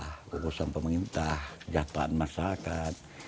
keputusan pemerintah kejahatan masyarakat